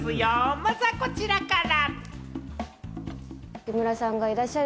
まずはこちらから。